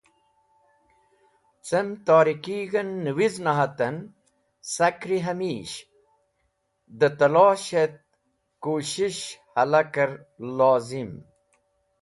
Cem torikig̃h en niwizn-e haten, sak’ri hamish d̃ talosh et kushish halaker lozim.